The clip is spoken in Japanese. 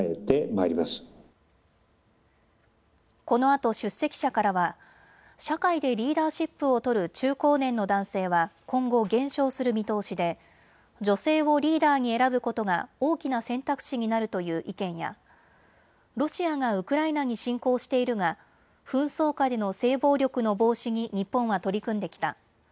このあと出席者からは社会でリーダーシップを取る中高年の男性は今後、減少する見通しで女性をリーダーに選ぶことが大きな選択肢になるという意見やロシアがウクライナに侵攻しているが紛争下での性暴力の防止に日本は取り組んできた。